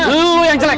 lo yang jelek